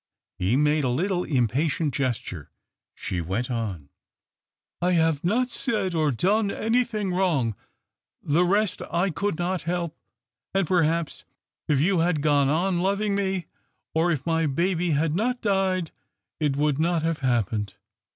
He made a little impatient gesture. She went on. " I have not said or done anything wrong. The rest I could not help ; and, perhaps, if you had gone on loving me, or if my baby had not died, it would not have happened.